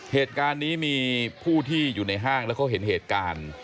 เหตุการณ์นี้มีผู้ที่อยู่ในห้างแล้วเขาเห็นเหตุการณ์